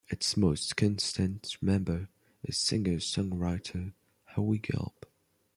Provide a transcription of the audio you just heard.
Its most constant member is singer-songwriter Howe Gelb.